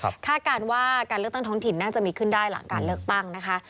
คาดการณ์ว่าการเลือกตั้งท้องถิ่นน่าจะมีขึ้นได้หลังการเลือกตั้งนะคะ